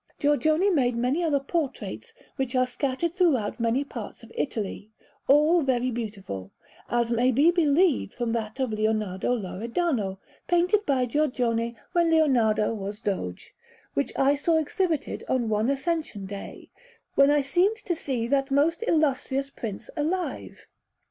Giorgione made many other portraits which are scattered throughout many parts of Italy; all very beautiful, as may be believed from that of Leonardo Loredano, painted by Giorgione when Leonardo was Doge, which I saw exhibited on one Ascension day, when I seemed to see that most illustrious Prince alive.